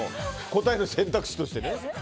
答えの選択肢としてね。